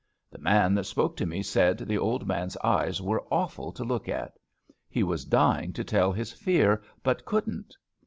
The man that spoke to me said the old man's eyes were awful to look at. He was dying to tell his fear, but couldn't.